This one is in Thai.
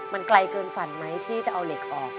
มันไกลเกินฝันไหมที่จะเอาเหล็กออก